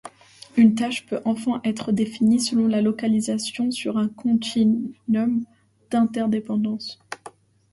Une tâche peut enfin être définie selon la localisation sur un continuum d'interdépendance.